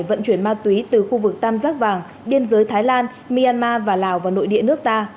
vận chuyển ma túy từ khu vực tam giác vàng biên giới thái lan myanmar và lào vào nội địa nước ta